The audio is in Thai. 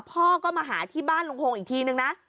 พ่อก็มาหาที่บ้านลุงโฮงอีกทีนึงนะ